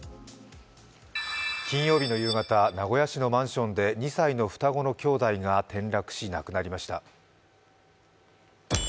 金曜日の夕方、名古屋市のマンションで２歳の双子のきょうだいが転落し、亡くなりました。